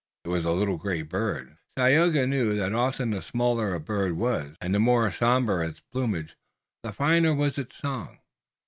It was a little gray bird, but Tayoga knew that often the smaller a bird was, and the more sober its plumage the finer was its song.